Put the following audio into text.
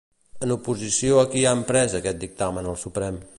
En oposició a qui han pres aquest dictamen el Suprem?